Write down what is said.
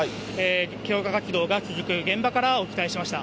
消火活動が続く現場からお伝えしました。